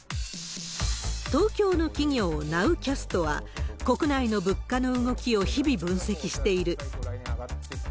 東京の企業、ナウキャストは、国内の物価の動きを日々分析している。